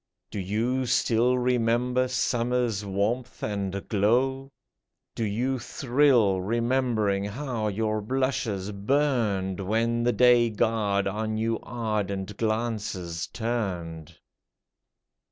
Do you still remember summer's warmth and glow ? Do you thrill, remembering how your blushes burned When the Day god on you ardent glances turned